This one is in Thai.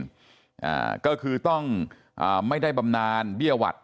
อ่าก็คือต้องอ่าไม่ได้บำนานเบี้ยหวัด